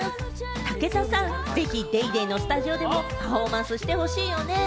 武田さん、ぜひ『ＤａｙＤａｙ．』のスタジオでもパフォーマンスしてほしいよね。